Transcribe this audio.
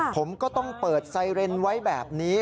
ผมก็ต้องเปิดไซเรนไว้แบบนี้